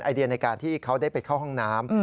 เดียในการที่เขาได้ไปเข้าห้องน้ำ